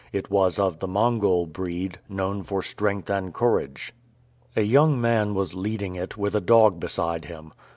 It was of the Mongol breed, known for strength and courage. A young man was leading it, with a dog beside him.